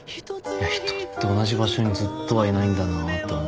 人って同じ場所にずっとはいないんだ